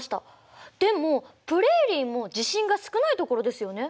でもプレーリーも地震が少ないところですよね。